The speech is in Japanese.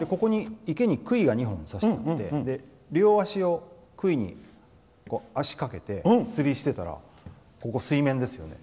池に、くいが２本さしてあって両足を、くいに足かけて釣りしてたら、ここ水面ですよね。